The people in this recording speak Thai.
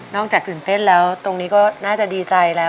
จากตื่นเต้นแล้วตรงนี้ก็น่าจะดีใจแล้ว